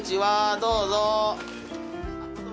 どうぞ。